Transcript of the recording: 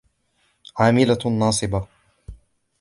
عَامِلَةٌ نَاصِبَةٌ